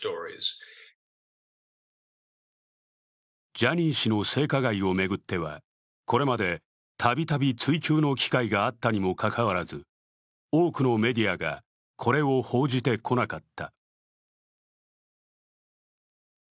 ジャニー氏の性加害を巡ってはこれまでたびたび追及の機会があったにもかかわらず多くのメディアがこれを報じてこなかった。